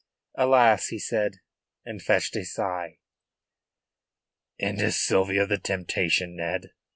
"Alas!" he said, and fetched a sigh. "And is Sylvia the temptation, Ned?"